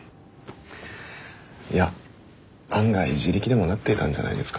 いや案外自力でもなっていたんじゃないですか？